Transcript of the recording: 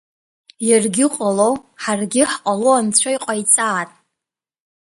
Иаргьы ҟало, ҳаргьы ҳҟало анцәа иҟаиҵаат!